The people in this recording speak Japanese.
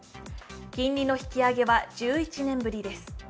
金利の引き上げは１１年ぶりです。